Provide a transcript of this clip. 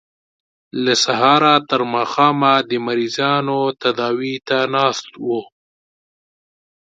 له سهاره تر ماښامه د مریضانو تداوۍ ته ناست وو.